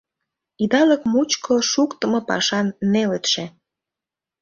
Идалык мучко шуктымо пашан нелытше.